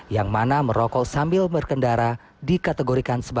yang mana merokok sambil berkendara dikategorikan sebagai tindakan yang berbeda